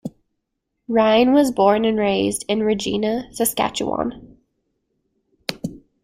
Ryan was born and raised in Regina, Saskatchewan.